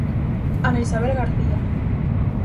Ana Isabel García.